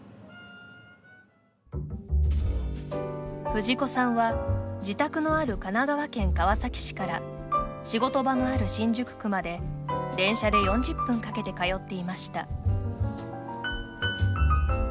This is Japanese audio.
藤子さんは自宅のある神奈川県川崎市から仕事場のある新宿区まで電車で４０分かけて通っていました。